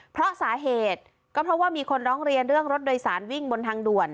เพราะสาเหตุก็เพราะว่ามีคนร้องเรียนเรื่องรถโดยสารวิ่งบนทางด่วน